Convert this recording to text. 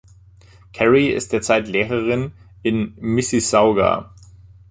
Carrie ist derzeit Lehrerin in Mississauga.